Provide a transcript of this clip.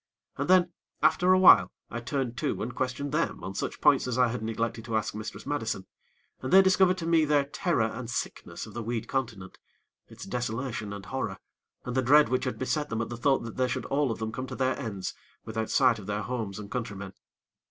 And then, after a while, I turned to and questioned them on such points as I had neglected to ask Mistress Madison, and they discovered to me their terror and sickness of the weed continent, its desolation and horror, and the dread which had beset them at the thought that they should all of them come to their ends without sight of their homes and countrymen.